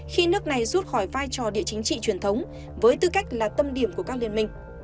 khi nước này rút khỏi vai trò địa chính trị truyền thống với tư cách là tâm điểm của các liên minh